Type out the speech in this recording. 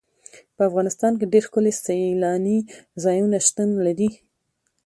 په افغانستان کې ډېر ښکلي سیلاني ځایونه شتون لري.